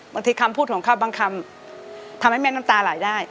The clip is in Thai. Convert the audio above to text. คำพูดของเขาบางคำทำให้แม่น้ำตาไหลได้